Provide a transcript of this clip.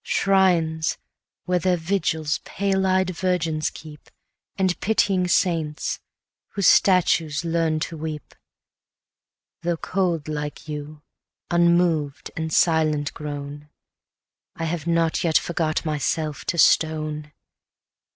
20 Shrines! where their vigils pale eyed virgins keep, And pitying saints, whose statues learn to weep! Though cold like you, unmoved and silent grown, I have not yet forgot myself to stone.